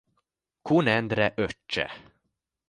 Kun Endre öccse.